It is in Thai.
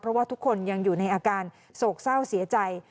เพราะว่าทุกคนยังอยู่ในอาการโศกเศร้าเสียใจ